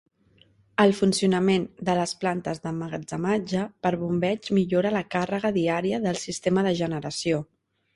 El funcionament de les plantes d'emmagatzematge per bombeig millora la càrrega diària del sistema de generació.